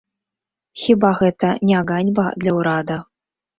Хіба гэта не ганьба для ўрада?